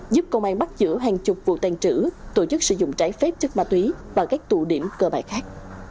giúp công an bắt giữ hàng chục vụ tàn trữ tổ chức sử dụng trái phép chất ma túy và các tụ điểm cơ bạc khác